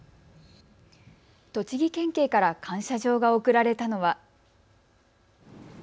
栃木県警から感謝状が贈られたのは。